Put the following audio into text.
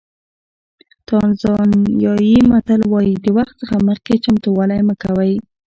تانزانیایي متل وایي د وخت څخه مخکې چمتووالی مه کوئ.